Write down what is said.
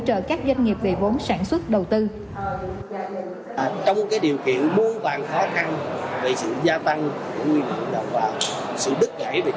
bởi vì các thị trường của các nước không qua đại dịch